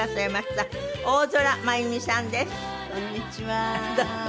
こんにちは。